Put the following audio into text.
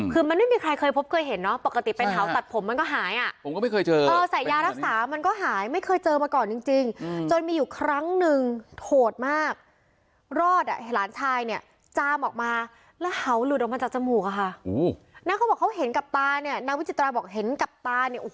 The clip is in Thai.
ผมก็บอกว่าผมใช้น้ำยาปุ๊บแล้วเหาะมันเจาะเข้าไป